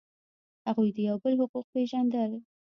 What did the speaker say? هغوی د یو بل حقوق پیژندل.